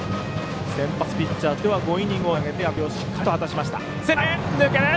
先発ピッチャーとしては５イニングを投げて役割をしっかりと果たしました。